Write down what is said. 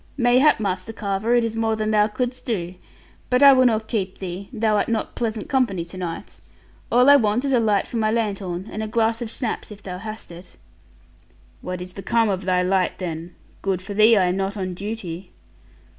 'Mayhap, Master Carver, it is more than thou couldst do. But I will not keep thee; thou art not pleasant company to night. All I want is a light for my lanthorn, and a glass of schnapps, if thou hast it.' 'What is become of thy light, then? Good for thee I am not on duty.'